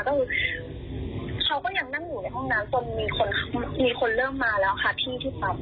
ก็คือเขาก็ยังนั่งอยู่ในห้องน้ำจนมีคนมีคนเริ่มมาแล้วค่ะที่ที่ปั๊ม